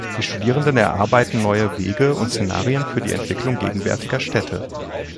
Die Studierenden erarbeiten neue Wege und Szenarien für die Entwicklung gegenwärtiger Städte.